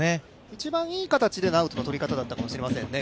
一番いい形でのアウトの取り方だったかもしれませんね。